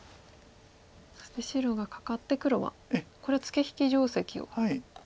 そして白がカカって黒はこれはツケ引き定石を。